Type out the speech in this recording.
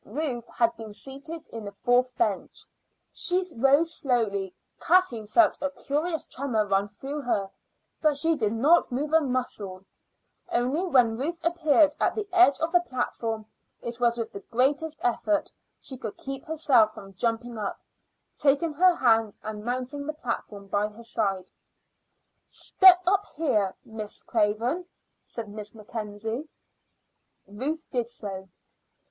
Ruth had been seated in the fourth bench. She rose slowly. Kathleen felt a curious tremor run through her, but she did not move a muscle; only when Ruth appeared at the edge of the platform, it was with the greatest effort she could keep herself from jumping up, taking her hand, and mounting the platform by her side. "Step up here, Miss Craven," said Miss Mackenzie. Ruth did so.